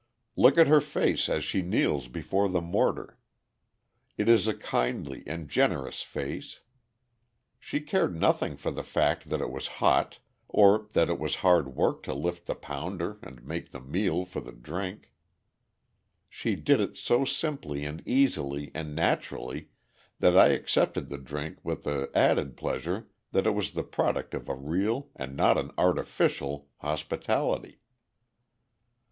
Look at her face as she kneels before the mortar. It is a kindly and generous face. She cared nothing for the fact that it was hot, or that it was hard work to lift the pounder and make the meal for the drink. She did it so simply and easily and naturally that I accepted the drink with the added pleasure that it was the product of a real, and not an artificial, hospitality.